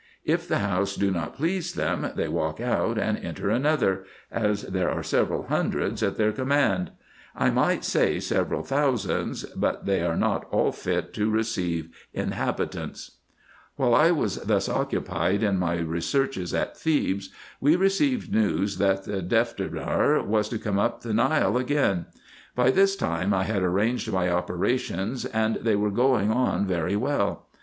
If the house do not please them, they walk out and enter another, as there are several hundreds at their command ; I might say several thousands, but they are not all fit to receive inhabitants. 184 RESEARCHES AND OPERATIONS While I was thus occupied in my researches at Thebes, we received news that the Defterdar was to come up the Nile again. By this time I had arranged my operations, and they were going on very well.